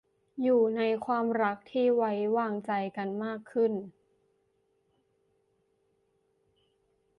อยู่ในความรักที่ไว้วางใจกันมากขึ้น